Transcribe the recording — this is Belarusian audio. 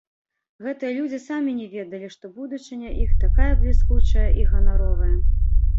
Гэтыя людзі самі не ведалі, што будучыня іх такая бліскучая і ганаровая.